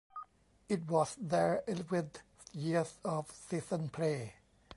It was their eleventh year of season play.